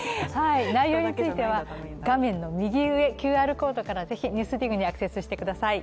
内容については画面の右上、ＱＲコードからぜひ「ＮＥＷＳＤＩＧ」にアクセスしてください。